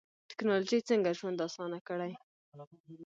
ټکنالوژي څنګه ژوند اسانه کړی؟